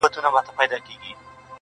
د سینګار رنګ شوخ دی